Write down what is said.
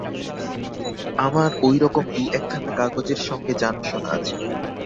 আমার ঐরকম দু-একখানা কাগজের সঙ্গে জানাশোনা আছে।